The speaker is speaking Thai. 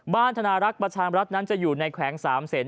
ธนารักษ์ประชามรัฐนั้นจะอยู่ในแขวง๓เซน